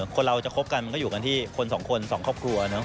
คนเราจะคบกันมันก็อยู่กันที่คนสองคนสองครอบครัวเนาะ